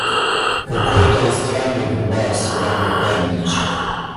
Какой-то он странный, — прибавил Степан Аркадьич.